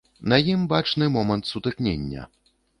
На ім бачны момант сутыкнення.